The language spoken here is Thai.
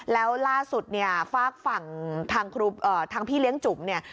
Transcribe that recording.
แล้วล่าสุดเนี่ยฝากฝั่งทางพี่เลี้ยงจุ๋มเนี่ย